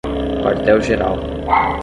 Quartel Geral